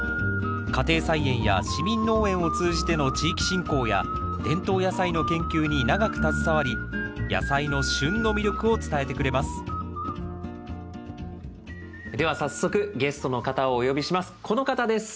家庭菜園や市民農園を通じての地域振興や伝統野菜の研究に長く携わり野菜の旬の魅力を伝えてくれますでは早速ゲストの方をお呼びします。